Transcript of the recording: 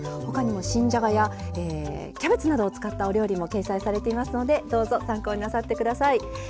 他にも新じゃがやキャベツなどを使ったお料理も掲載されていますのでどうぞ参考になさって下さい。